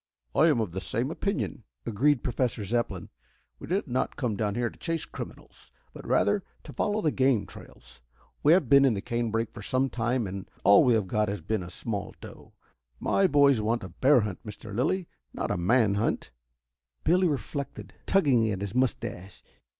"I am of the same opinion," agreed Professor Zepplin. "We did not come down here to chase criminals, but rather to follow the game trails. We have been in the canebrake for some time, and all we have got has been a small doe. My boys want a bear hunt, Mr. Lilly, not a manhunt." Billy reflected, tugging at his moustache.